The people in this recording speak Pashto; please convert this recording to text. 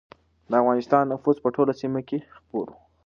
د افغانستان نفوذ په ټوله سیمه کې خپور و.